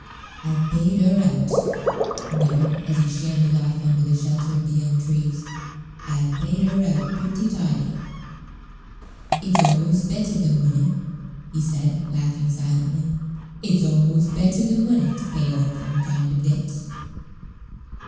"I've paid her out," he muttered, as he shambled off under the shelter of the young trees; "I've paid her out pretty tidy. It's almost better than money," he said, laughing silently "it's almost better than money to pay off them kind of debts."